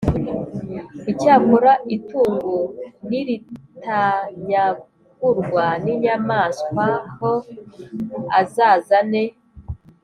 Icyakora itungo niritanyagurwa n inyamaswa h azazane